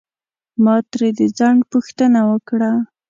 ما ترې د ځنډ پوښتنه وکړه.